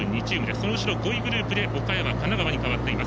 その後ろ、５位グループ岡山、神奈川に変わっています。